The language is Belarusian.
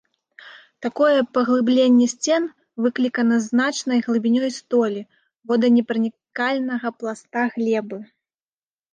Такое паглыбленне сцен выклікана значнай глыбінёй столі воданепранікальнага пласта глебы.